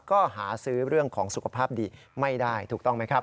ก็หาซื้อเรื่องของสุขภาพดีไม่ได้ถูกต้องไหมครับ